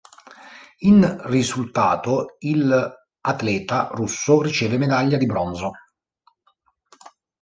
In risultato, il atleta russo riceve medaglia di bronzo.